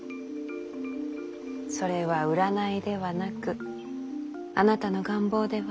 それは占いではなくあなたの願望では？